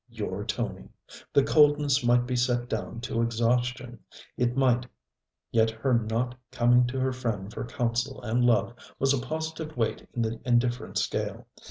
'Your Tony.' The coldness might be set down to exhaustion: it might, yet her not coming to her friend for counsel and love was a positive weight in the indifferent scale.